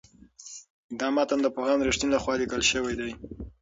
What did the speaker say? دا متن د پوهاند رښتین لخوا لیکل شوی دی.